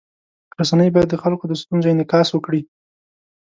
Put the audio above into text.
رسنۍ باید د خلکو د ستونزو انعکاس وکړي.